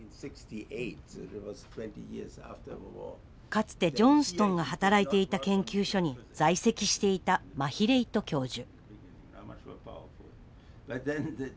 かつてジョンストンが働いていた研究所に在籍していたマヒレイト教授。